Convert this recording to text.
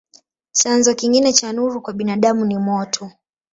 Chanzo kingine cha nuru kwa binadamu ni moto.